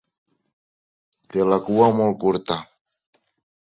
Té la cua molt curta.